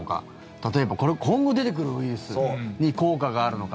例えば、今後出てくるウイルスに効果があるのか。